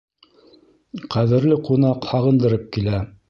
Ҡәҙерле ҡунаҡ һағындырып килә.